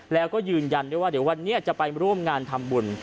แล้วก็ยืนยันด้วยว่าเดี๋ยววันนี้จะไปร่วมงานทำบุญ